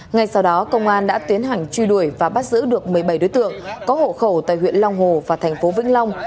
ngay sau đó công an đã tiến hành truy đuổi và bắt giữ được một mươi bảy đối tượng có hộ khẩu tại huyện long hồ và thành phố vĩnh long